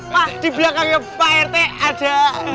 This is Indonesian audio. pak di belakangnya pak rt ada